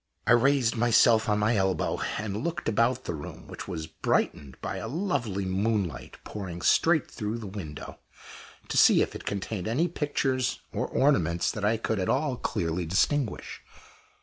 I raised myself on my elbow, and looked about the room which was brightened by a lovely moonlight pouring straight through the window to see if it contained any pictures or ornaments that I could at all clearly distinguish.